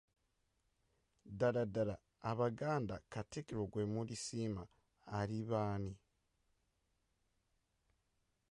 Ddala ddala abaganda katikkiro gwe mulisiima aliba Ani?